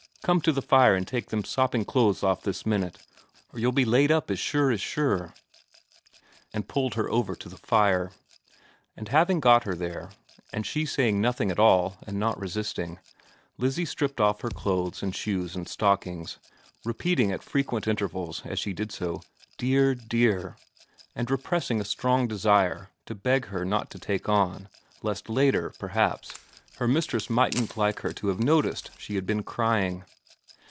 Come to the fire and take them sopping clothes off this minute, or you'll be laid up as sure as sure ' and pulled her over to the fire ; and having got her there, and she saying nothing at all and not resisting, Lizzie stripped off her clothes and shoes and stockings, repeating at frequent intervals as she did so, ' Dear, dear,' and repressing a strong desire to beg her not to take on, lest later, perhaps, her mistress mightn't like her to have noticed she had been crying.